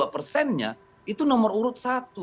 enam puluh dua dua persennya itu nomor urut satu